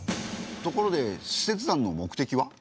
ところで使節団の目的は？